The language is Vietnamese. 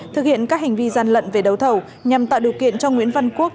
thực hiện các hành vi gian lận về đấu thầu nhằm tạo điều kiện cho nguyễn văn quốc